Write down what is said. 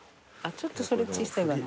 ちょっとそれ小さいわな。